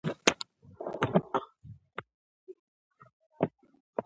د کورنیو د اقتصادي کچې لوړولو لپاره یې ټولګي جوړ کړي.